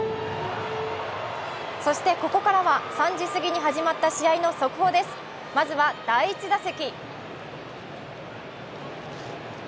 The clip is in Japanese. そして、ここからは３時すぎに始まった試合の速報ですまずは第１打席。